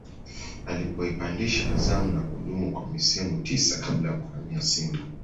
alipoipandisha Azam na kudumu kwa misimu tisa kabla ya kuhamia Simba